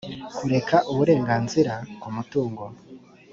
kureka uburenganzira ku mutungo